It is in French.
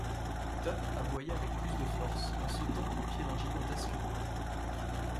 Top aboya avec plus de force, en sautant au pied d’un gigantesque pin.